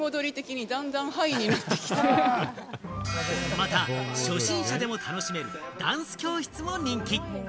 また初心者でも楽しめるダンス教室も人気。